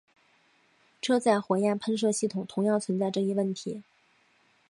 车载火焰喷射系统同样存在这一问题。